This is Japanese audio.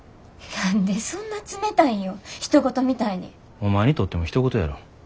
お前にとってもひと事やろ。